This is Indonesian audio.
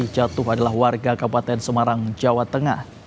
jatuh adalah warga kabupaten semarang jawa tengah